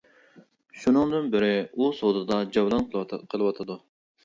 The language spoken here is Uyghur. شۇنىڭدىن بېرى ئۇ سودىدا جەۋلان قىلىۋاتىدۇ.